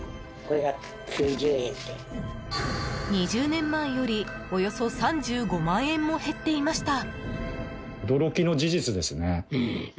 ２０年前よりおよそ３５万円も減っていました。